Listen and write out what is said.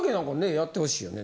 やってほしいよね。